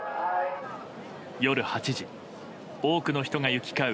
夜８時、多くの人が行き交う